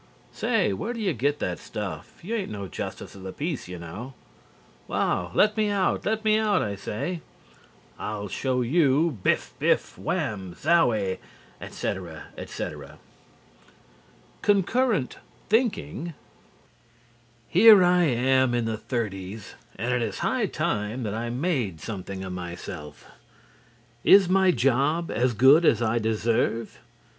'Say where do you get that stuff you ain't no justice of the peace you know' 'Wow! Let me out let me out, I say' 'I'll show you biff biff wham zowie!' etc. etc." Concurrent Thinking "Here I am in the thirties and it is high time that I made something of myself. Is my job as good as I deserve?